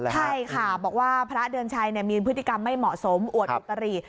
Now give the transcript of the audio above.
ใช่ค่ะบอกว่าพระเดือนชัยมีพฤติกรรมไม่เหมาะสมอวดอุตริ